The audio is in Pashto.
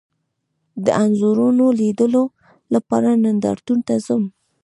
د انځورونو لیدلو لپاره نندارتون ته ځم